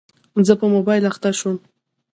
زه په موبایل اخته شوم.